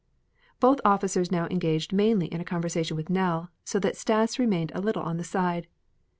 Both officers now engaged mainly in a conversation with Nell, so that Stas remained a little on the side.